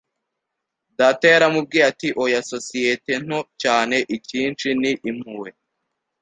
Data yaramubwiye ati oya, sosiyete nto cyane, icyinshi ni impuhwe.